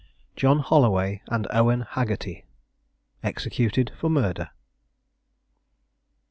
JOHN HOLLOWAY AND OWEN HAGGERTY, EXECUTED FOR MURDER.